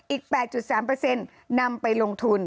อีก๘๓นำไปลงทุน